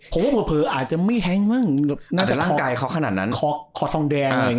เพราะว่าเผลออาจจะไม่แฮงอาจจะขอกทองแดง